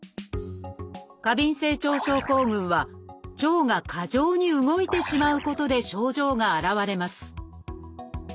過敏性腸症候群は腸が過剰に動いてしまうことで症状が現れます。